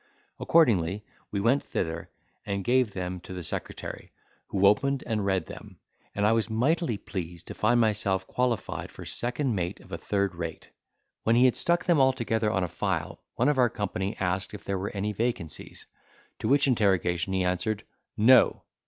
Accordingly, we went thither, and gave them to the secretary, who opened and read them, and I was mightily pleased to find myself qualified for second mate of a third rate. When he had stuck them all together on a file, one of our company asked if there were any vacancies; to which interrogation he answered "No!"